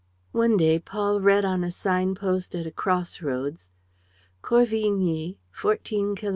One day Paul read on a sign post at a cross roads: Corvigny, 14 Kil.